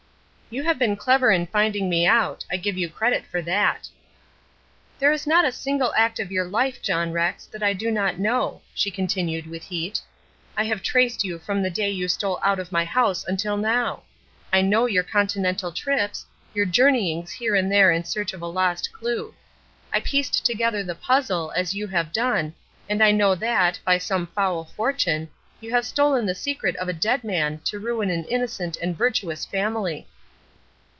"You have been clever in finding me out; I give you credit for that." "There is not a single act of your life, John Rex, that I do not know," she continued, with heat. "I have traced you from the day you stole out of my house until now. I know your continental trips, your journeyings here and there in search of a lost clue. I pieced together the puzzle, as you have done, and I know that, by some foul fortune, you have stolen the secret of a dead man to ruin an innocent and virtuous family."